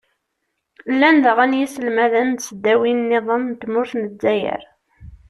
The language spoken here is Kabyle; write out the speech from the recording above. llan daɣen yiselmaden n tesdawin-nniḍen n tmurt n lezzayer.